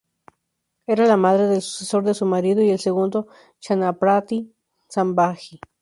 Era la madre del sucesor de su marido y el segundo Chhatrapati, Sambhaji.